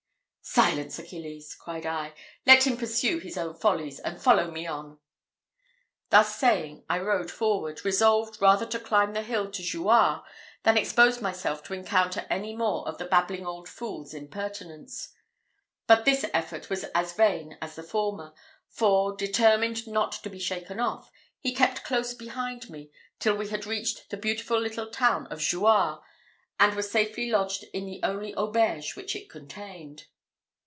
"Silence, Achilles," cried I; "let him pursue his own follies, and follow me on." Thus saying, I rode forward, resolved rather to climb the hill to Jouarre than expose myself to encounter any more of the babbling old fool's impertinence: but this effort was as vain as the former; for, determined not to be shaken off, he kept close behind me, till we had reached the beautiful little town of Jouarre, and were safely lodged in the only auberge which it contained.